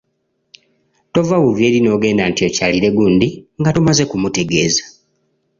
Tova buvi eri n'ogenda nti okyalire gundi nga tomaze kumutegeeza.